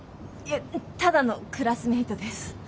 いやただのクラスメートです。